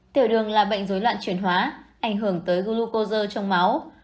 tiểu đường là bệnh dối loạn chuyển hóa ảnh hưởng tới golucozer trong máu